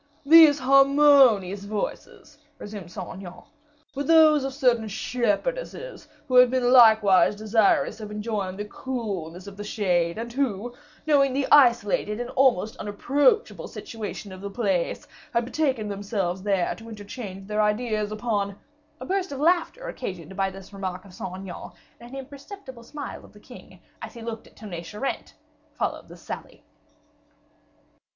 "These harmonious voices," resumed Saint Aignan, "were those of certain shepherdesses, who had been likewise desirous of enjoying the coolness of the shade, and who, knowing the isolated and almost unapproachable situation of the place, had betaken themselves there to interchange their ideas upon " A loud burst of laughter occasioned by this remark of Saint Aignan, and an imperceptible smile of the king, as he looked at Tonnay Charente, followed this sally.